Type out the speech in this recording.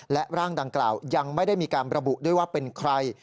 และร่างดังกล่าวยังไม่ได้มีการระบุด้วยว่าเป็นใคร